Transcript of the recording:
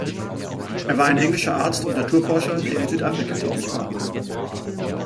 Er war ein englischer Arzt und Naturforscher, der in Südafrika tätig war.